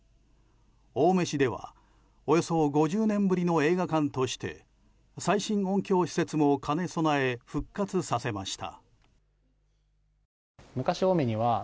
青梅市ではおよそ５０年ぶりの映画館として最新音響施設を兼ね備え復活させました。